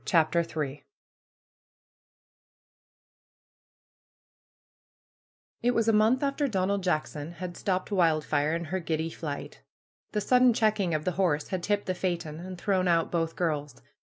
CHAPTER III It was a month after Donald Jackson had stopped Wildfire in her giddy flight. The sudden checking of the horse had tipped the phaeton and thrown out both girls.